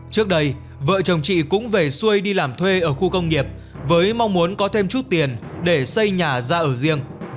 trước đây vợ chồng chị cũng về xuôi đi làm thuê ở khu công nghiệp với mong muốn có thêm chút tiền để xây nhà ra ở riêng